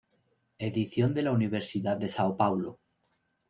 Edición de la Universidad de São Paulo.